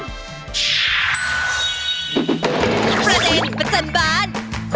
ประเด็นประจำบาน